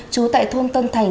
trú tại thôn tân thành